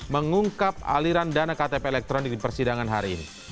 mengungkap aliran dana ktp elektronik di persidangan hari ini